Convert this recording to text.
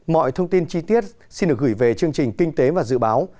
mọi thông tin chi tiết xin được gửi về chương trình kinh tế và dự báo